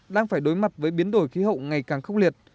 đang phải đối mặt với biến đổi khí hậu ngày càng khốc liệt